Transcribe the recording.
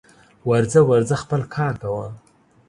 ورځه ورځه خپل کار کوه